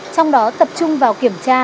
trong đó tập trung vào kiểm tra